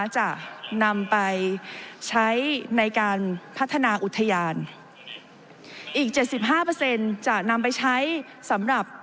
จะนำไปใช้ในการพัฒนาอุทยานอีกเจ็ดสิบห้าเปอร์เซ็นต์จะนำไปใช้สำหรับ